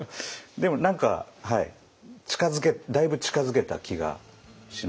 でも何かだいぶ近づけた気がしましたね。